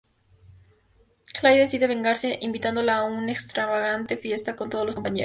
Kyle decide vengarse invitándola a una extravagante fiesta con todos los compañeros.